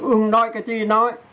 ưng nói cái gì nói